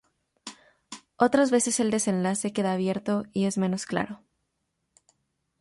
Otras veces el desenlace queda abierto y es menos claro.